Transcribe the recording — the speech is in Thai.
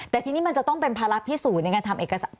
แต่ทีนี้มันจะต้องเป็นภาระพิสูจน์ในการทำเอกสาร